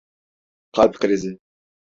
Kalp krizi.